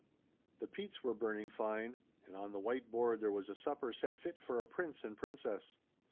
The peats were burning fine, and on the white board there was a supper set fit for a prince and princess.